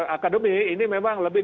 akademi ini memang lebih